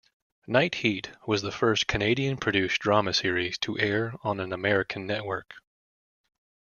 "Night Heat" was the first Canadian-produced drama series to air on an American network.